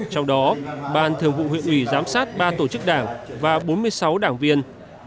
trong đó ban thường vụ huyện ủy giám sát ba tổ chức đảng và bốn mươi sáu đảng viên